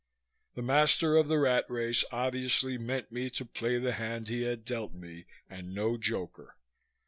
The Master of the Rat Race obviously meant me to play the hand he had dealt me, and no Joker.